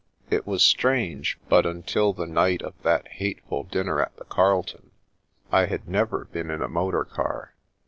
It was strange ; but until the night of that hateful dinner at the Carlton, I had never been in a motor car.